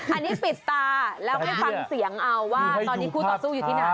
อันนี้ปิดตาแล้วให้ฟังเสียงเอาว่าตอนนี้คู่ต่อสู้อยู่ที่ไหน